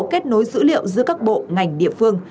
kết nối dữ liệu giữa các bộ ngành địa phương